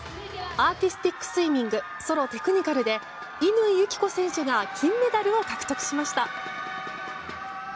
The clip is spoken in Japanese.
アーティスティックスイミングソロテクニカルで乾友紀子選手が金メダルを獲得しました！